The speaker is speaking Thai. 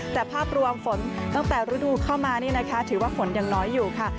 แต่ภาพรวมฝนตั้งแต่ฤดูเข้ามานี่นะคะถือว่าฝนยังน้อยอยู่ค่ะ